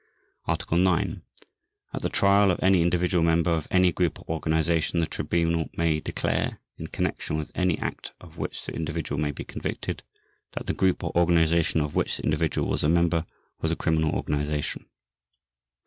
Article 9. At the trial of any individual member of any group or organization the Tribunal may declare (in connection with any act of which the individual may be convicted) that the group or organization of which the individual was a member was a criminal organization.